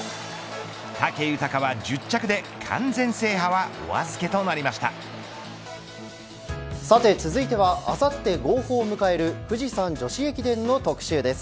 武豊は１０着でさて続いてはあさって号砲を迎える富士山女子駅伝の特集です。